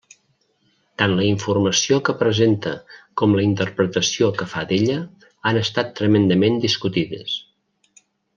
Tant la informació que presenta com la interpretació que fa d'ella han estat tremendament discutides.